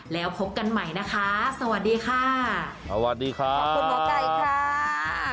แล้วพบกันใหม่นะคะสวัสดีค่ะสวัสดีค่ะขอบคุณหมอไก่ค่ะ